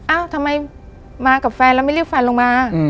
เอ้าทำไมมากับแฟนแล้วไม่เรียกแฟนลงมา